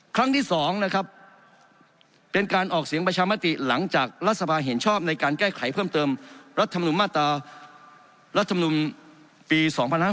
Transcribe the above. ครั้งที่๒เป็นการออกเสียงประชามาติหลังจากรัฐสภาเห็นชอบในการแก้ไขเพิ่มเติมรัฐมนุมปี๒๕๖๐